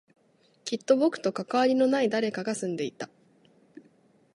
きっと僕と関わりのない誰かが住んでいた